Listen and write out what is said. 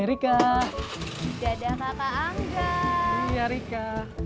by rika dadah papa angga ya rika